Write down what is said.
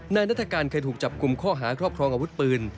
นายนัฐการณ์เคยถูกจับคุมข้อหาครอบครองอาวุธปืน